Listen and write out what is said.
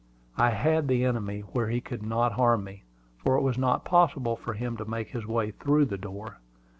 I had the enemy where he could not harm me, for it was not possible for him to make his way through the door.